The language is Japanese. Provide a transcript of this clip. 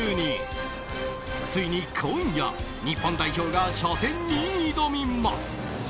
ついに今夜、日本代表が初戦に挑みます。